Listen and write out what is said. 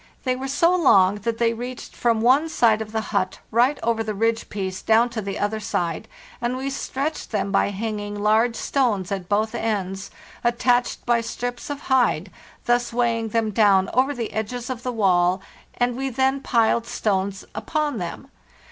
They were so long LAND AT LAST 419 that they reached from one side of the hut right over the ridge piece down to the other side, and we stretched them by hanging large stones at both ends, attached by strips of hide, thus weighing them down over the edges of the wall, and we then piled stones upon them.